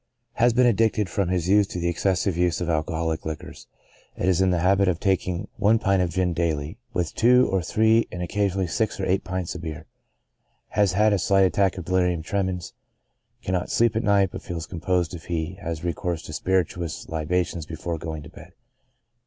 Has been addicted from his youth to the excessive use of alcoholic liquors; and is in the habit of taking one pint of gin daily, with two or three pints, and occasionally six or eight pints, of beer. Has had a slight attack of delirium tremens. Cannot sleep at night, but feels composed if he has recourse to spirituous libations before going to bed.